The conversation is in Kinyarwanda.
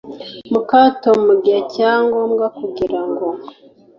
mu kato mu gihe cya ngombwa kugira ngo